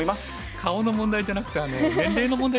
顔の問題じゃなくて年齢の問題で。